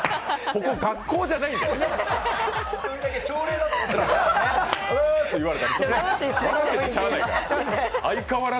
ここ学校じゃないから。